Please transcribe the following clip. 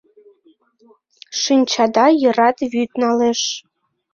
Шинчада йырат вӱд налеш.